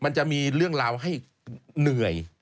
มันจะมีเรื่องราวให้เหนื่อย